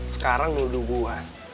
sekarang lo duduk gue